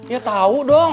ya tahu dong